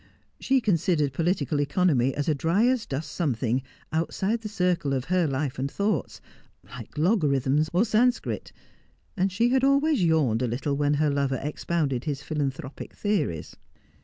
She considered political economy as a dry as dust something outside the circle of her life and thoughts, like logarithms, or Sanscrit ; and she had always yawned a little when her lover expounded his philan thropic theories.